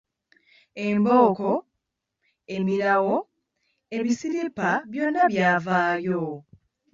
Embooko, emirawo, ebisiripa byonna byavaayo.